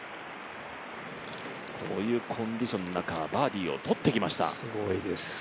こういうコンディションの中バーディーを取ってきました。